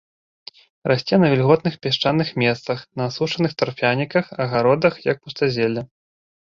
Расце на вільготных пясчаных месцах, на асушаных тарфяніках, агародах, як пустазелле.